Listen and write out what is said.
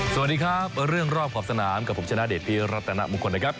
สวัสดีครับเรื่องรอบขอบสนามและผมชนะเดชน์พีรตนมงคล